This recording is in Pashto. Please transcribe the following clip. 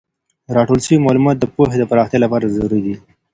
راټول سوی معلومات د پوهې د پراختیا لپاره ضروري دي.